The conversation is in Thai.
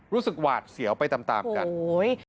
รู้สึกหวาดเสียวไปตามกัน